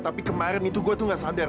tapi kemarin itu gue tuh gak sadar